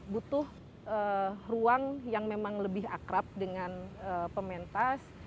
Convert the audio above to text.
butuh ruang yang memang lebih akrab dengan pementas